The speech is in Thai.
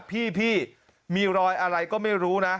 พี่มีรอยอะไรก็ไม่รู้นะ